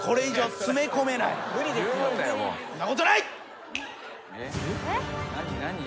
そんなことない！